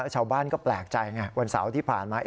ชาวบ้านก็แปลกใจไงวันเสาร์ที่ผ่านมา